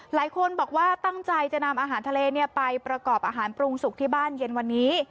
หลายคนบอกว่าตั้งใจจะนำอาหารทะเลไปประกอบอาหารปรุงสุกที่บ้านเย็นวันนี้